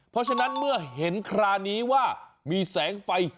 เพราะฉะนั้นเมื่อเห็นคราวนี้ว่ามีแสงไฟ